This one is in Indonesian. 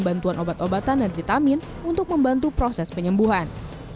bantuan obat obatan dan vitamin untuk membantu proses penyembuhan